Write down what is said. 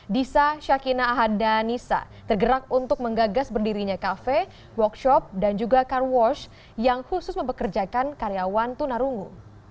disa syakina ahadanisa tergerak untuk menggagas berdirinya kafe workshop dan juga car wash yang khusus mempekerjakan karyawan tunarungu